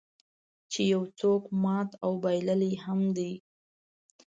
چې یو څوک مات او بایللی هم دی.